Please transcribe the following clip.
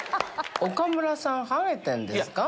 岡村さんハゲてんですか？